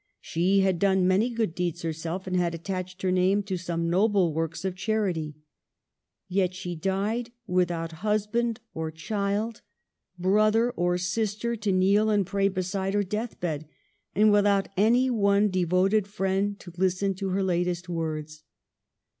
She had done many good deeds herself, and had attached her name to some noble works of charity. Yet she died without husband or child, brother or sister, to kneel and pray beside her deathbed, and without any one devoted friend to listen to her latest words.